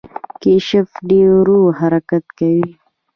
کیشپ ډیر ورو حرکت کوي